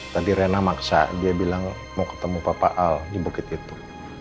nanti rena maksa dia bilang mau ketemu papa al di bukit itu